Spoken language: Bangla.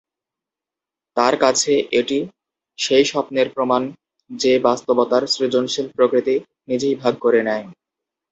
তার কাছে, এটি সেই স্বপ্নের প্রমাণ যে বাস্তবতার সৃজনশীল প্রকৃতি নিজেই ভাগ করে নেয়।